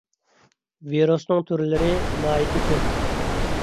ۋىرۇسنىڭ تۈرلىرى ناھايىتى كۆپ.